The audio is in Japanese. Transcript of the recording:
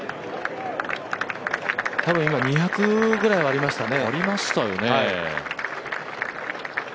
多分今、２００ぐらいはありましたね。